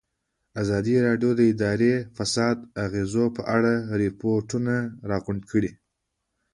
ازادي راډیو د اداري فساد د اغېزو په اړه ریپوټونه راغونډ کړي.